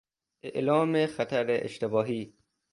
اعلام خطر اشتباهی